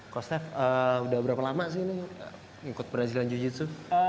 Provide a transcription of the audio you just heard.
cost udah berapa lama sih ini ngikut brazilian jiu jitsu